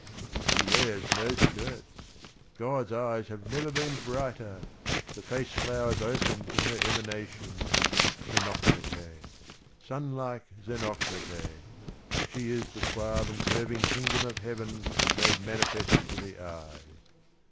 " She wears no skirts, God's eyes have never been brighter, The face flowers open in her emanation, Xenocrate, sun like Xenocrate !— She is the suave and curving Kingdom of Heaven Made manifest to the eyes.